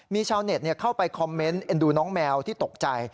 มีชาวเน็ตเข้าไปคอมเมนต์เอ็นดูน้องแมวที่ตกใจ